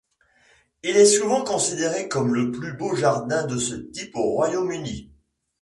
Il est souvent considéré comme le plus beau jardin de ce type au Royaume-Uni.